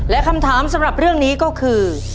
และคำถามสำหรับเรื่องนี้ก็คือ